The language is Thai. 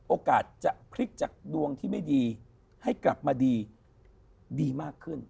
โอกาสจะพลิกจากดวงที่ไม่ดีให้กลับมาดีดีมากขึ้น